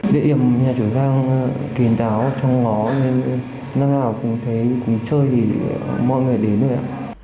địa điểm nhà chủ đang kín đáo trong ngó nên lần nào cũng thấy cũng chơi thì mọi người đến rồi ạ